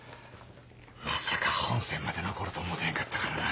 まさか本選まで残ると思うてへんかったからな。